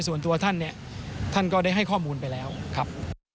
ส่วนตัวท่านเนี่ยท่านก็ได้ให้ข้อมูลไปแล้วครับ